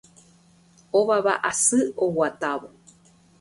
ovava asy oguatávo